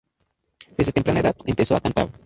Desde temprana de edad empezó a cantar.